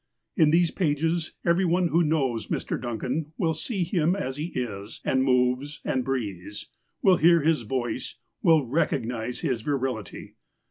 In these pages every one who knows Mr. Duncan will see him as he is, and moves and breathes, will hear his voice, will recognize his virility.